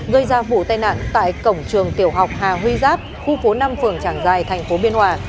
gây ra vụ tai nạn tại cổng trường tiểu học hà huy giáp khu phố năm phường trảng giài thành phố biên hòa